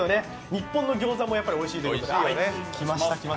日本の餃子もおいしいということで。